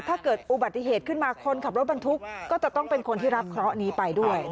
ถ้าเกิดอุบัติเหตุขึ้นมาคนขับรถบรรทุกก็จะต้องเป็นคนที่รับเคราะห์นี้ไปด้วย